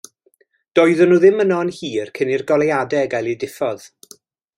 Doedden nhw ddim yno yn hir cyn i'r goleuadau gael eu diffodd.